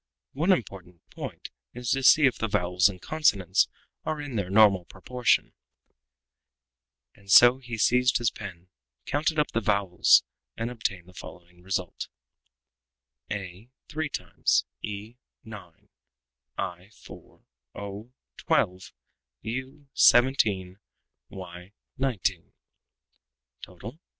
"One important point is to see if the vowels and consonants are in their normal proportion." And so he seized his pen, counted up the vowels, and obtained the following result: a = 3 times e = 9 i = 4 o = 12 u = 17 y = 19 Total...